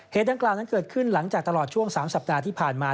ดังกล่าวนั้นเกิดขึ้นหลังจากตลอดช่วง๓สัปดาห์ที่ผ่านมา